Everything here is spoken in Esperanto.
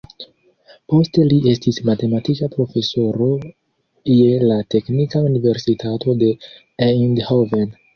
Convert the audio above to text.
Poste li estis matematika profesoro je la teknika universitato en Eindhoven.